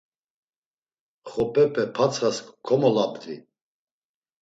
Xop̌epe patsxas komolabdvi.